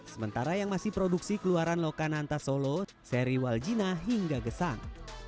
sementara yang masih produksi keluaran lokananta solo seri waljina hingga gesang